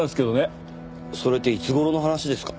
それっていつ頃の話ですか？